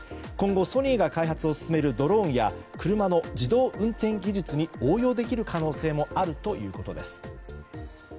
今後、ソニーが開発を進めるドローンや車の自動運転技術に応用できる可能性もあるということです。